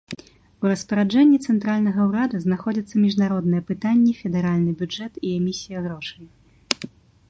У распараджэнні цэнтральнага ўрада знаходзяцца міжнародныя пытанні, федэральны бюджэт і эмісія грошай.